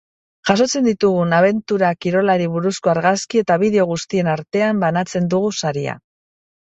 Jasotzen ditugun abentura-kirolari buruzko argazki eta bideo guztien artean banatzen dugu saria.